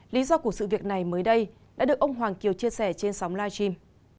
lý do của sự việc này mới đây đã được ông hoàng kiều chia sẻ trên sóng live stream